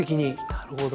なるほど。